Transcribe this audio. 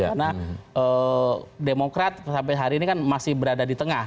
karena demokrat sampai hari ini kan masih berada di tengah